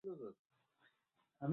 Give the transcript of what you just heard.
আমি দুঃখিত, mister Falcone.